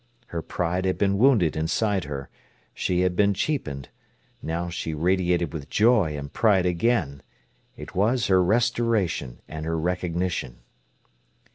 Her pride had been wounded inside her. She had been cheapened. Now she radiated with joy and pride again. It was her restoration and her recognition.